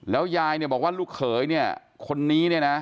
แล้วยายเนี่ยบอกว่าลูกเขยเนี่ยคนนี้เนี่ยนะ